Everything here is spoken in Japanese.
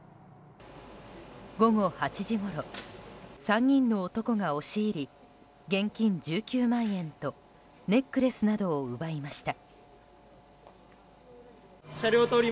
午前８時ごろ３人の男が押し入り現金１９万円とネックレスなどを奪いました。